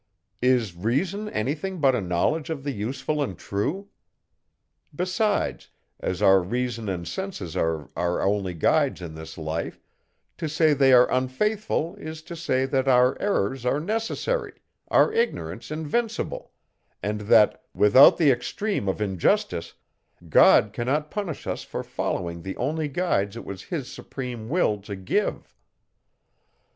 Is reason any thing but a knowledge of the useful and true? Besides, as our reason and senses are our only guides in this life, to say they are unfaithful, is to say, that our errors are necessary, our ignorance invincible, and that, without the extreme of injustice, God cannot punish us for following the only guides it was his supreme will to give.